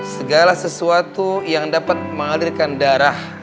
segala sesuatu yang dapat mengalirkan darah